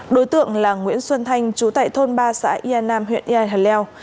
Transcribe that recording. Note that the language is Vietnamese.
đối tượng là nguyễn xuân thanh chú tại thôn ba xã ia nam huyện ia hà leo